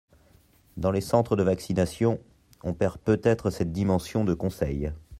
Dans les centres de vaccination, on perd peut-être cette dimension de conseil.